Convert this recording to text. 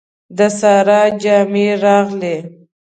د سارا جامې راغلې.